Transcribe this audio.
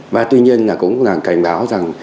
và tuy nhiên là cũng là cảnh báo rằng